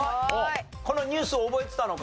このニュース覚えてたのか？